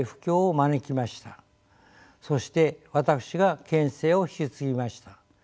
そして私が県政を引き継ぎました。